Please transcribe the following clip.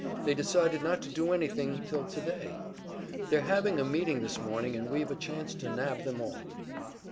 They decided not to do anything till today. They're having a meeting this morning and we've a chance to nab them all."